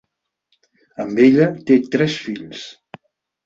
Amb ella té tres fills.